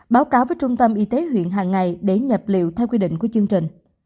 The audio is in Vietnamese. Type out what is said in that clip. báo cáo với trung tâm y tế huyện hàng ngày để nhập liệu theo quy định của chương trình